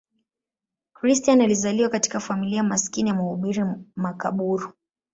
Christian alizaliwa katika familia maskini ya mhubiri makaburu.